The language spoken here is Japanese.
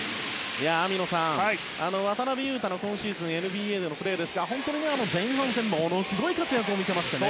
網野さん、渡邊雄太は今シーズンＮＢＡでのプレーで本当に前半戦、ものすごい活躍を見せましたね。